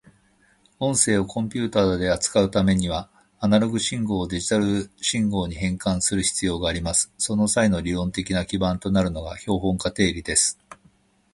音声をコンピュータで扱うためには、アナログ信号をデジタル信号に変換する必要があります。その際の理論的な基盤となるのが標本化定理です。